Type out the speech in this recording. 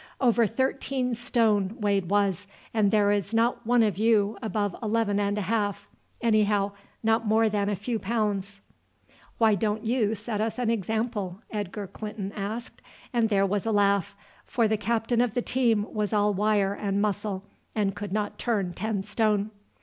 "Over thirteen stone Wade was, and there is not one of you above eleven and a half anyhow, not more than a few pounds." "Why don't you set us an example?" Edgar Clinton asked; and there was a laugh, for the captain of the team was all wire and muscle and could not turn ten stone.